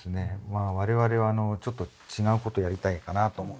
まあ我々はちょっと違うことやりたいかなと思うんです。